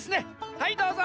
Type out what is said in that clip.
はいどうぞ。